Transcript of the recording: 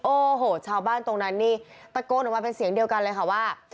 โอ้โหชาวบ้านตรงนั้นนี่ตะโกนออกมาเป็นเสียงเดียวกันเลยค่ะว่า